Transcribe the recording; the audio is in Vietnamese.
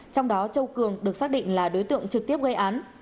trong đó châu cường được xác định là đối tượng trực tiếp gây án